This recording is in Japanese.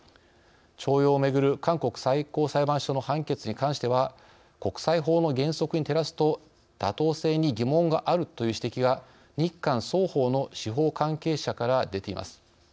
徴用をめぐる韓国最高裁判所の判決に関しては国際法の原則に照らすと妥当性に疑問があるという指摘が日韓双方の司法関係者から出ています。